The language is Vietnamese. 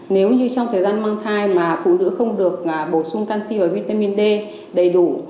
nếu như trong thời gian mang thai mà phụ nữ không được bổ sung canxi và vitamin d đầy đủ